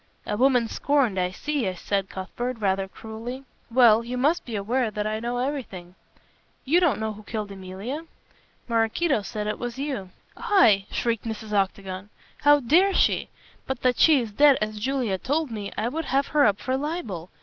"A woman scorned, I see," said Cuthbert, rather cruelly, "well, you must be aware that I know everything." "You don't know who killed Emilia?" "Maraquito said it was you." "I" shrieked Mrs. Octagon, "how dare she? But that she is dead, as Juliet told me, I would have her up for libel.